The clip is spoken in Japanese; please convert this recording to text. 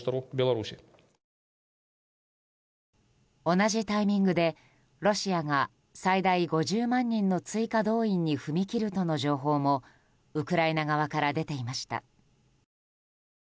同じタイミングでロシアが最大５０万人の追加動員に踏み切るとの情報もウクライナ側から出ていました。